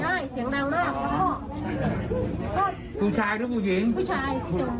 ใช่เสียงดังน่ะเพราะว่าผู้ชายหรือผู้หญิงผู้ชายผู้ชาย